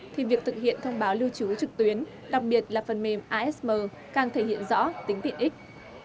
thì việc thực hiện thông báo lưu trú trực tuyến đặc biệt là phần mềm asm càng thể hiện rõ tính tiện ích